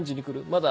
「まだ？」